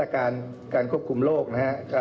การเป็นให้สมบัติให้มา